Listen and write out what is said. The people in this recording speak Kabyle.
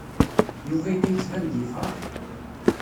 Yuba yella yettban-d yefṛeḥ.